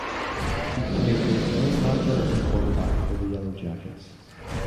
He played both linebacker and quarterback for the Yellowjackets.